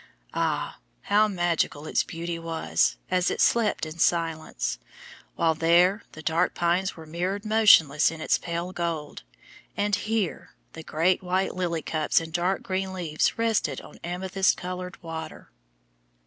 Ah, how magical its beauty was, as it slept in silence, while THERE the dark pines were mirrored motionless in its pale gold, and HERE the great white lily cups and dark green leaves rested on amethyst colored water!